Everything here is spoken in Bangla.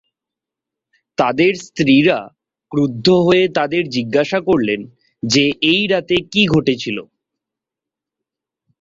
তাদের স্ত্রীরা ক্রুদ্ধ হয়ে তাদের জিজ্ঞাসা করলেন যে এই রাতে কী ঘটেছিল।